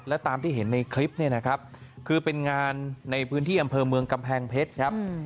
และตามที่เห็นในคลิปเนี่ยนะครับคือเป็นงานในพื้นที่อำเภอเมืองกำแพงเพชรครับ